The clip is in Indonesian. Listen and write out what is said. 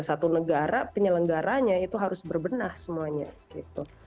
satu negara punya lenggaranya itu harus berbenah semuanya gitu